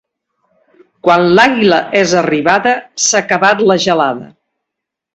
Quan l'àguila és arribada s'ha acabat la gelada.